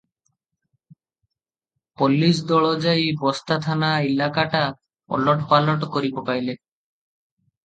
Police ଦଳ ଯାଇ ବସ୍ତାଥାନା ଇଲାକାଟା ଓଲଟ ପାଲଟ କରିପକାଇଲେ ।